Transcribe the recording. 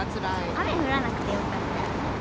雨降らなくてよかった。